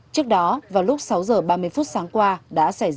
trước đó vào lúc sáu h ba mươi sáng qua